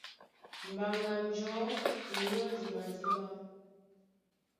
Mbaŋga njɔ̌ e nyɔ́di madíɓá.